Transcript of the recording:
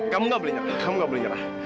kamu gak boleh nyerah kamu gak boleh nyerah